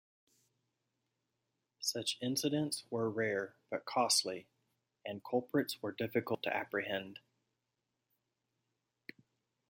Such incidents were rare but costly and culprits were difficult to apprehend.